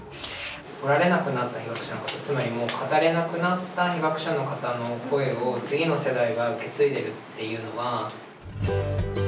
おられなくなった被爆者の方つまりもう語れなくなった被爆者の方の声を次の世代が受け継いでいるというのは。